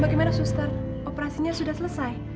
bagaimana suster operasinya sudah selesai